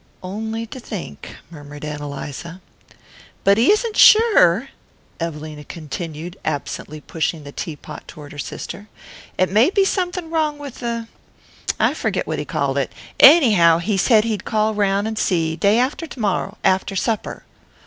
"On'y to think!" murmured Ann Eliza. "But he isn't SURE," Evelina continued, absently pushing the teapot toward her sister. "It may be something wrong with the I forget what he called it. Anyhow, he said he'd call round and see, day after to morrow, after supper."